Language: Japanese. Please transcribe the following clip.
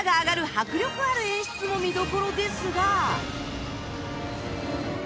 迫力ある演出も見どころですが